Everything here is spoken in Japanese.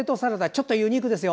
ちょっとユニークですよ。